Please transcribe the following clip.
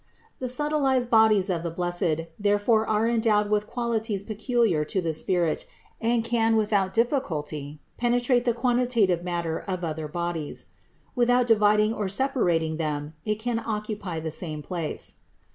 The subtilized bodies of the blessed therefore are endowed with qualities peculiar to the spirit and can without difficulty penetrate the quantitative matter of other bodies. Without dividing or separating them it can occupy the same place.